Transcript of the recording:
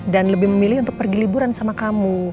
dan lebih memilih untuk pergi liburan sama kamu